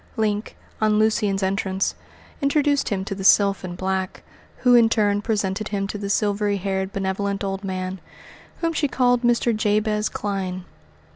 Link, on Lucian's entrance, introduced him to the sylph in black, who in her turn presented him to the silvery haired, benevolent old man, whom she called Mr. Jabez Clyne.